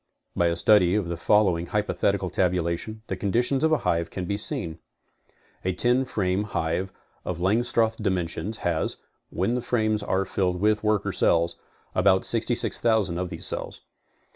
By.a study of the following hypothetical tabulation, the conditions of a hive can be seen. A ten frame hive of Langstroth dimentions has, when the frames are filled with worker cells, about 66,000 of these cells.